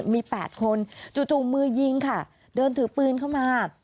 มี๘คนจู่มือยิงค่ะเดินถือปืนเข้ามา